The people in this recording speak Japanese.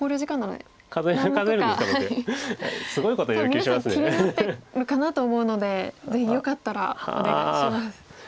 皆さん気になってるかなと思うのでぜひよかったらお願いします。